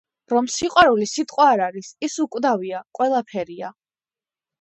რომ სიყვარული სიტყვა არ არის, ის უკვდავია, ყველაფერია